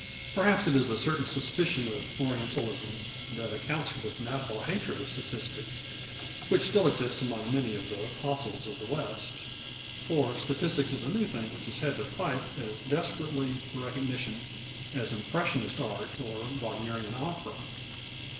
Perhaps it is a certain suspicion of Orientalism that accounts for the fanatical hatred of statistics which still exists among many of the apostles of the West. For statistics is a new thing which has had to fight as desperately for recognition as Impressionist art or Wagnerian opera.